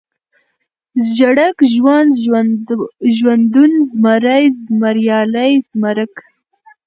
ژړک ، ژوند ، ژوندون ، زمری ، زمريالی ، زمرک